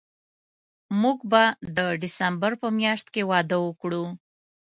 موږ به د ډسمبر په میاشت کې واده وکړو